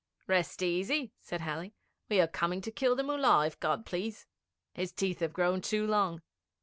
'Rest easy,' said Halley; 'we are coming to kill the Mullah, if God please. His teeth have grown too long.